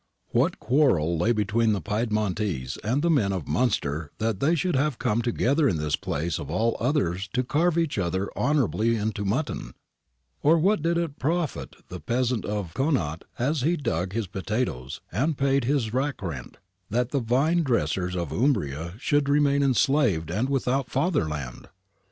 What quarrel lay between the Piedmontese and the men of Munster that they should have come together in this place of all others to carve each other honourably into mutton ? Or what did it profit the peasant of Connaught as he dug his potatoes and paid his rack rent, that the vine dressers of Umbria should remain enslaved and without fatherland